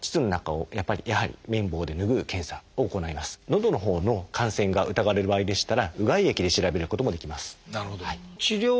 どのほうの感染が疑われる場合でしたらうがい液で調べることもできます。